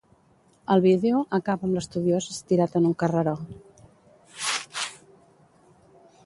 El vídeo acaba amb l'estudiós estirat en un carreró.